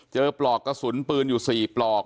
ปลอกกระสุนปืนอยู่๔ปลอก